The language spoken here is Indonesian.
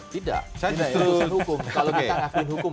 tidak saya justru